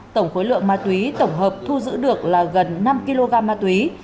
tổng khối lượng ma túy tổng hợp thu giữ được là gần năm kg ma túy